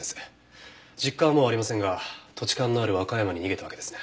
実家はもうありませんが土地勘のある和歌山に逃げたわけですね。